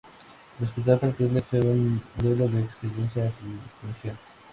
El Hospital pretende ser un modelo de excelencia asistencial.